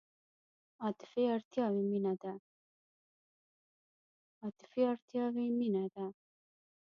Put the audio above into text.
عاطفي اړتیاوې مینه ده.